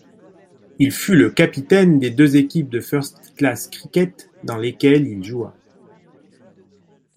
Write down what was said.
Il fut le capitaine des deux équipes de first-class cricket dans lesquelles il joua.